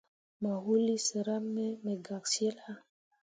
Mayuulii sera me me gak cillah.